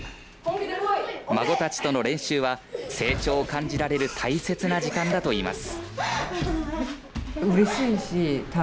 孫たちとの練習は成長を感じられる大切な時間だといいます。